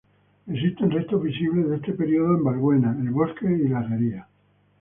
Existen restos visibles de este periodo en Valbuena, El Bosque y la Herrería.